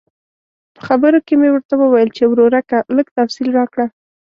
په خبرو کې مې ورته وویل چې ورورکه لږ تفصیل راکړه.